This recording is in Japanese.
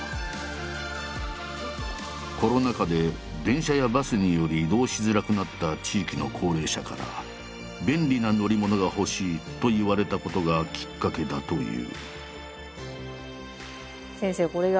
コロナ禍で電車やバスにより移動しづらくなった地域の高齢者から「便利な乗り物が欲しい」と言われたことがきっかけだという。